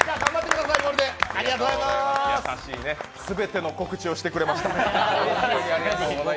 優しいですね、全ての告知をしてくれました。